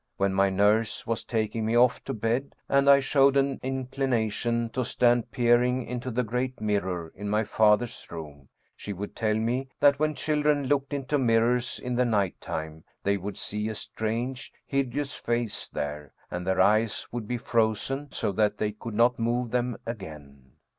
When my nurse was taking me off to bed, and I showed an inclination to stand peering into the great mirror in my father's room, she would tell me that when children looked into mirrors in the night time they would see a strange, hideous face there, and their eyes would be frozen so that they could not move them again.